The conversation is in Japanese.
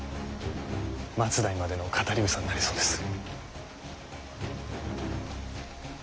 末代までの語りぐさになりそうです。